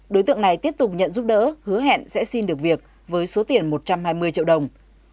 đối tượng này tiếp tục nhận giúp đỡ hứa hẹn sẽ xin được việc với số tiền một trăm hai mươi triệu đồng